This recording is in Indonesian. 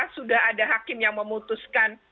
sudah ada hakim yang memutuskan